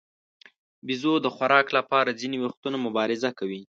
بیزو د خوراک لپاره ځینې وختونه مبارزه کوي.